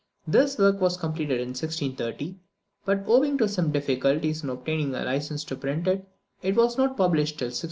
This work was completed in 1630, but, owing to some difficulties in obtaining a license to print it, it was not published till 1632.